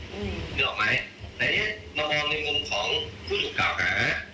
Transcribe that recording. นึกออกไหมไหนเนี่ยมามองในมุมของผู้หลุดเก่าฮะ